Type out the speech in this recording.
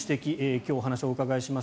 今日お話をお伺いします